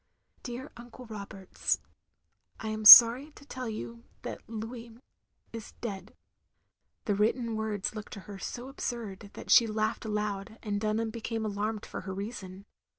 ^'Dear Uncle Roberts, I ant sorry to tell you that Louis is dead —" the written words looked to her so absurd that she laughed aloud, and Dunham became alarmed for her reason.